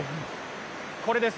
これです。